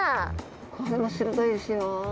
これも鋭いですよ。